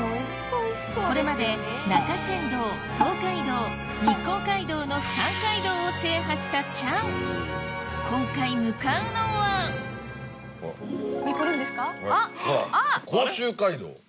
これまで中山道東海道日光街道のしたチャン今回向かうのは甲州街道。